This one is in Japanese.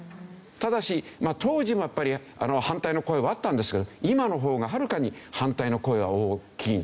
ただし当時もやっぱり反対の声はあったんですけど今の方がはるかに反対の声は大きいんですね。